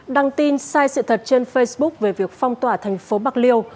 đăng tin sai sự thật trên facebook về việc phong tỏa thành phố bạc liêu